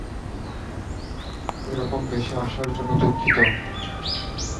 এরকম বেশে আসার জন্য দুঃখিত।